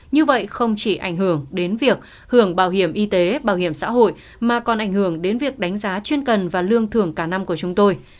như vậy không chỉ ảnh hưởng đến việc hưởng bảo hiểm y tế bảo hiểm xã hội mà còn ảnh hưởng đến việc đánh giá chuyên cần và lương thưởng cả năm của chúng tôi